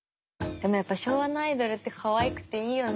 でもやっぱり昭和のアイドルってかわいくていいよね。